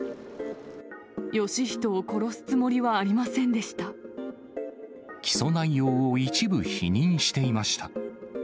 芳人を殺すつもりはありませ起訴内容を一部否認していました。